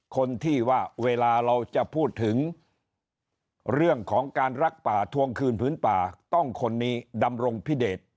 คนที่ว่าเวลาเราจะพูดถึงเรื่องของการรักป่าทวงคืนพื้นป่าต้องคนนี้ดำรงพิเดช